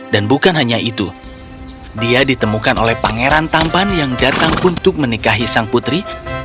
dan bukan hanya itu dia ditemukan oleh pangeran tampan yang datang untuk menikahi sang putri